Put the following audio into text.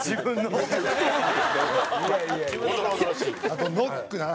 あとノックな。